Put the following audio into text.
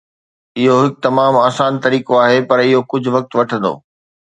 اهو هڪ تمام آسان طريقو آهي پر اهو ڪجهه وقت وٺندو